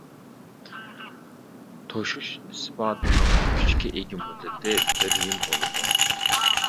توشۇش ئىسپاتىنىڭ كۈچكە ئىگە مۇددىتى بىر يىل بولىدۇ.